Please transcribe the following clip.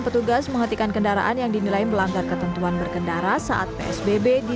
petugas menghentikan kendaraan yang dinilai melanggar ketentuan berkendara saat psbb di